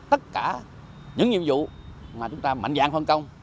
tất cả những nhiệm vụ mà chúng ta mạnh dạng phân công